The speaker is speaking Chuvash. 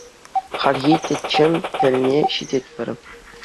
Хальхи Теччӗ тӗлне ҫитетпӗр.